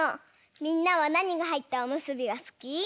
みんなはなにがはいったおむすびがすき？